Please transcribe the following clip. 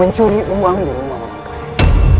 mencuri uang di rumah orang kaya